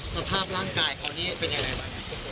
สภาพร่างกายเขานี่เป็นยังไงบ้าง